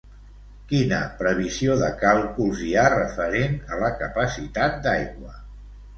Quina previsió de càlculs hi ha referent a la capacitat d'aigua?